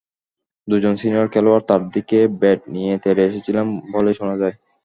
দুজন সিনিয়র খেলোয়াড় তাঁর দিকে ব্যাট নিয়ে তেড়ে এসেছিলেন বলেই শোনা যায়।